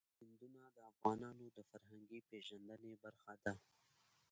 سیندونه د افغانانو د فرهنګي پیژندنې برخه ده.